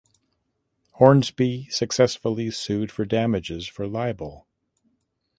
Hornsby successfully sued for damages for libel.